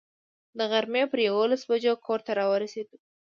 د غرمې پر یوولسو بجو کور ته را ورسېدو.